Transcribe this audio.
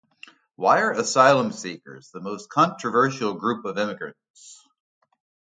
Why are asylum-seekers the most controversial group of immigrants?